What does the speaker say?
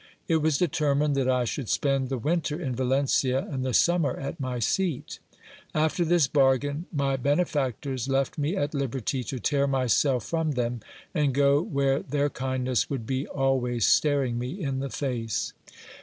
It was determined that I should spend the winter in Valencia, and the summer at my seat. After this bargain, my bene factors left me at liberty to tear myself from them, and go where their kindness would be always staring me in the face.